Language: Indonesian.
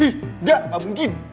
ih gak gak mungkin